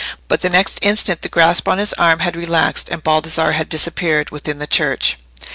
But the next instant the grasp on his arm had relaxed, and Baldassarre had disappeared within the church.